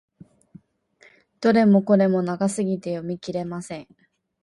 どれもこれも長すぎて読み切れません。